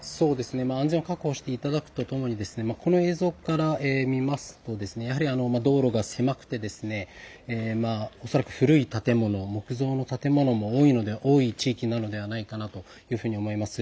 安全を確保していただくとともにこの映像から見ますとやはり道路が狭くて恐らく古い建物、木造の建物も多い地域なのではないかなというふうに思います。